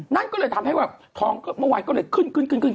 นั่นก็เลยทำให้ว่าท้องเมื่อวานก็เลยขึ้นขึ้น